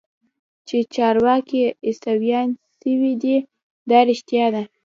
چې چارواکي عيسويان سوي دي دا رښتيا ده.